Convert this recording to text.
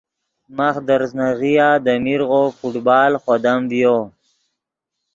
ماخ دے ریزناغیا دے میرغو فٹبال خودم ڤیو